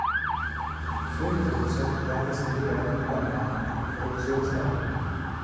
Filmproduzent Ernest Müller übernahm auch die Produktionsleitung.